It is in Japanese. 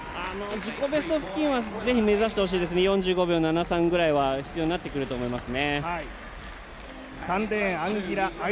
自己ベスト付近はぜひ目指してほしいですね、４５秒７３ぐらいは必要になってくると思います。